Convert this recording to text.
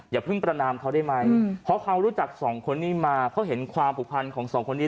อย่าเพิ่งประนามเขาได้ไหมเพราะความรู้จักสองคนนี้มาเขาเห็นความผูกพันของสองคนนี้